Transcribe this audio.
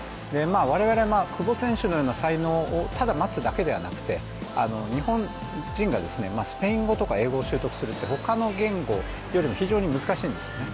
我々、久保選手のような才能をただ待つだけではなくて、日本人がスペイン語とか英語を習得するって他の言語よりも非常に難しいんですね。